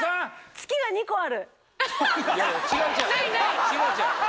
月が２個ある！